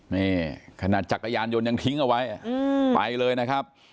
นี่ขนาดจักรยานยนต์ยังทิ้งเอาไว้ไปเลยนะครับ